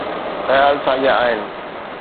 خيال ساڳيا آهن.